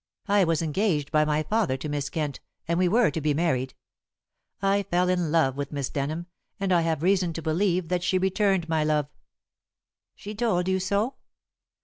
I was engaged by my father to Miss Kent, and we were to be married. I fell in love with Miss Denham, and I have reason to believe that she returned my love." "She told you so?"